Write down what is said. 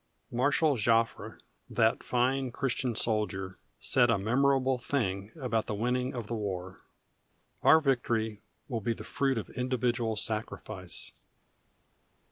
Marshal Joffre, that fine Christian soldier, said a memorable thing about the winning of the war: "Our victory will be the fruit of individual sacrifice."